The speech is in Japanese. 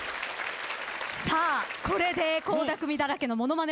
これで倖田來未だらけのものまね王座決定戦